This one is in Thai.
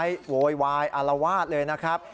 ไม้โวยวายอลวาดเลยนะครับ